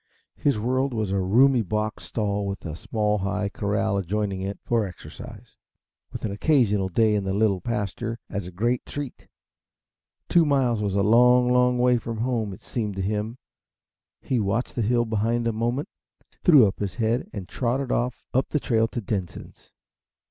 His world was a roomy box stall with a small, high corral adjoining it for exercise, with an occasional day in the little pasture as a great treat. Two miles was a long, long way from home, it seemed to him. He watched the hill behind a moment, threw up his head and trotted off up the trail to Denson's.